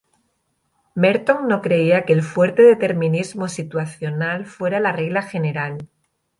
Merton no creía que el fuerte determinismo situacional fuera la regla general.